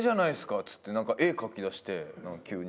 っつってなんか絵描きだして急に。